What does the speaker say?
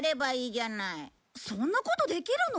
そんなことできるの？